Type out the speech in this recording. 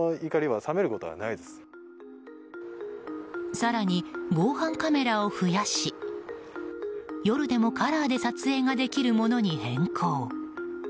更に防犯カメラを増やし夜でもカラーで撮影ができるものに変更。